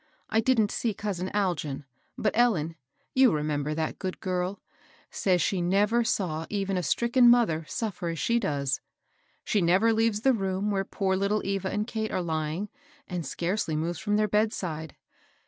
I didn't see cousin Algin; but Ellen — you remember that good girl — says she never saw even a stricken mother suffer as she does. She never leaves the room where poor little Eva and Kate are lying, and scarcely moves from their bedside.